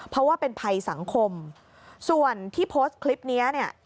เพราะว่าเป็นภัยสังคมส่วนที่โพสต์คลิปนี้เนี่ย